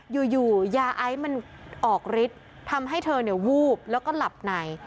อยู่ยาไอซ์มันออกฤทธิ์ทำให้เธอวูบแล้วก็หลับใน